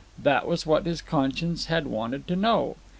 That was what his conscience had wanted to know.